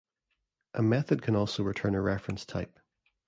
A method can also return a reference type.